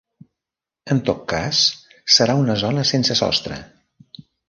En tot cas serà una zona sense sostre.